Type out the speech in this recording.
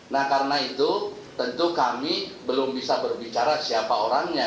nah karena itu tentu kami belum bisa berbicara siapa orangnya